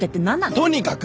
とにかく！